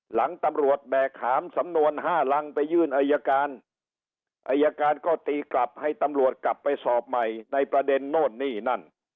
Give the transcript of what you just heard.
หลังตำรวจแบกหามสำนวนห้ารังไปยื่นอายการอายการก็ตีกลับให้ตำรวจกลับไปสอบใหม่ในประเด็นโน่นนี่นั่น